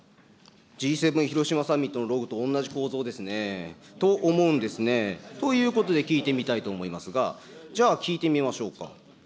Ｇ７広島サミットのロゴと同じ構造ですね。と思うんですね。ということで聞いてみたいと思いますが、じゃあ聞いてみましょうか。